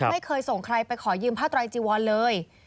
ไม่เคยส่งใครไปขอยืมผ้าไตรจีวรเลย